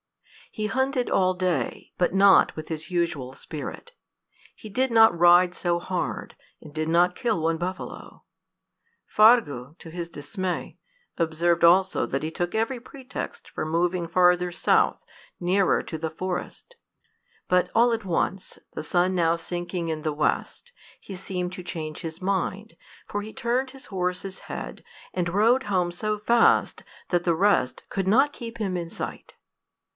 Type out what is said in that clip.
He hunted all day, but not with his usual spirit. He did not ride so hard, and did not kill one buffalo. Fargu, to his dismay, observed also that he took every pretext for moving farther south, nearer to the forest. But all at once, the sun now sinking in the west, he seemed to change his mind, for he turned his horse's head, and rode home so fast that the rest could not keep him in sight.